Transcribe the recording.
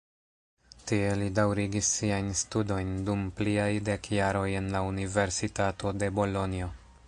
Tie li daŭrigis siajn studojn dum pliaj dek jaroj en la Universitato de Bolonjo.